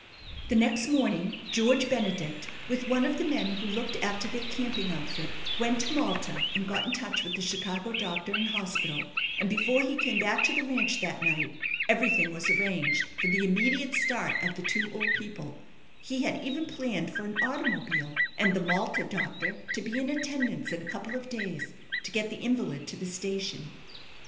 The next morning George Benedict with one of the men who looked after their camping outfit went to Malta and got in touch with the Chicago doctor and hospital, and before he came back to the ranch that night everything was arranged for the immediate start of the two old people He had even planned for an automobile and the Malta doctor to be in attendance in a couple of days to get the invalid to the station.